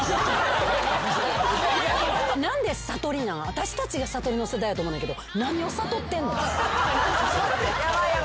私たちがさとりの世代やと思うねんけど。